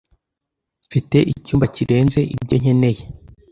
mfite icyumba kirenze ibyo nkeneye